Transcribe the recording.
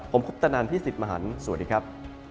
ผมคุปตนันพี่สิทธิ์มหันฯสวัสดีครับ